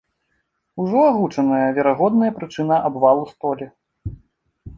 Ужо агучаная верагодная прычына абвалу столі.